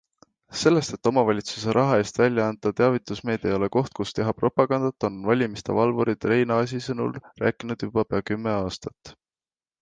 Sellest, et omavalitsuse raha eest välja antav teavitusmeedia ei ole koht, kus teha propagandat, on valimiste valvurid Reinaasi sõnul rääkinud juba pea kümme aastat.